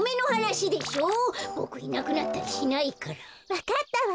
わかったわ！